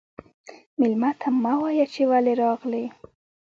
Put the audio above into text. مېلمه ته مه وايه چې ولې راغلې.